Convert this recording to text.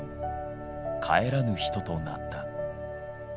帰らぬ人となった。